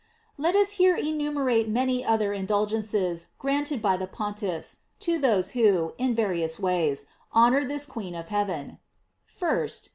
Let us here enumerate many other indulgen ces granted by the Pontiffs to those who, in various ways, honor this queen of heaven: 1st.